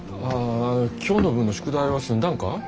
ああ今日の分の宿題は済んだんか？